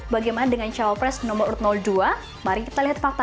faktanya ini salah